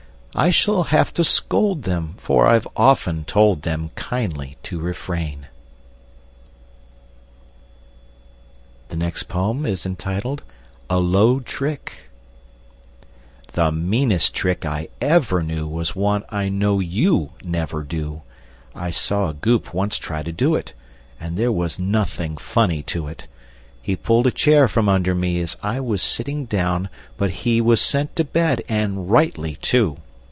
I shall have to scold them, For I've often told them, Kindly, to refrain! [Illustration: A Low Trick] A LOW TRICK The meanest trick I ever knew Was one I know you never do. I saw a Goop once try to do it, And there was nothing funny to it. He pulled a chair from under me As I was sitting down; but he Was sent to bed, and rightly, too.